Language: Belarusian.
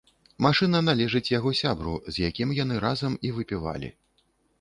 Машына належыць яго сябру, з якім яны разам і выпівалі.